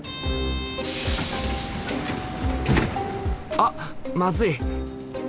あっまずい！